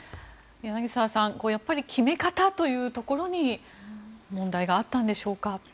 柳澤さん、決め方というところに問題があったんでしょうか。